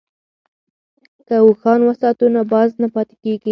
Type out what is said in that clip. که اوښان وساتو نو بار نه پاتې کیږي.